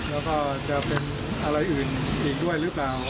แล้วก็จะเป็นอะไรอื่นอีกด้วยหรือเปล่า